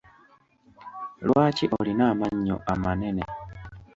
Lwaki olina amannyo amanene?